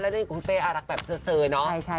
แล้วในกลุ่มเฟรอรักแบบเสอเนาะ